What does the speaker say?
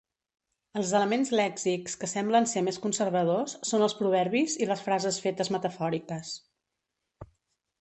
Els elements lèxics que semblen ser més conservadors són els proverbis i les frases fetes metafòriques.